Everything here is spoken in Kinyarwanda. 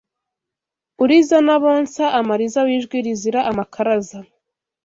Uriza n'abonsa amariza W'ijwi rizira amakaraza